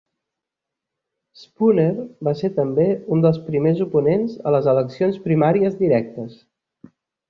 Spooner va ser també un dels primers oponents a les eleccions primàries directes.